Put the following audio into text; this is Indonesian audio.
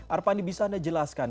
arpandi bisa anda jelaskan